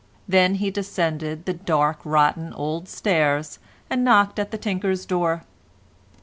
Then he descended the dark rotten old stairs and knocked at the tinker's door.